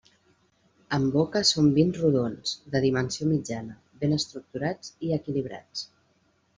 En boca són vins rodons, de dimensió mitjana, ben estructurats i equilibrats.